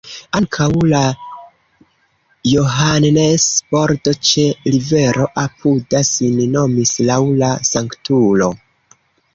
Ankaŭ la Johannes-bordo ĉe rivero apuda sin nomis laŭ la sanktulo.